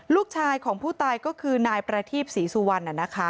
ลูกชายของผู้ตายก็คือนายประทีปศรีสุวรรณ